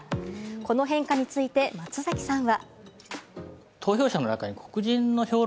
この変化について松崎さんは？